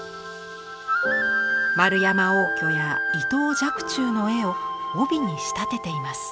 円山応挙や伊藤若冲の絵を帯に仕立てています。